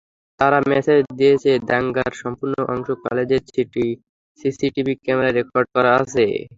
তারা মেসেজ দিয়েছে দাঙ্গার সম্পূর্ণ অংশ কলেজের সিসিটিভি ক্যামেরায় রেকর্ড করা আছে।